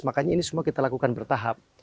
makanya ini semua kita lakukan bertahap